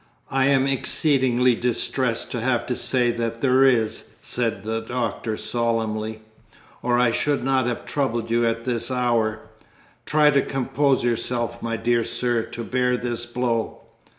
"I am exceedingly distressed to have to say that there is," said the Doctor solemnly, "or I should not have troubled you at this hour. Try to compose yourself, my dear sir, to bear this blow."